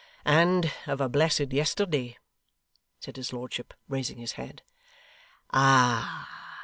'And of a blessed yesterday,' said his lordship, raising his head. 'Ah!